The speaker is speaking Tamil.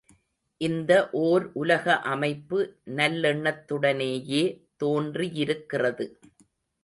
இந்த ஓர் உலக அமைப்பு நல்லெண்ணத்துடனேயே தோன்றியிருக்கிறது.